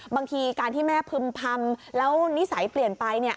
บางทีการที่แม่พึ่มพำแล้วนิสัยเปลี่ยนไป